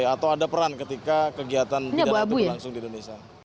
atau ada peran ketika kegiatan pidana itu berlangsung di indonesia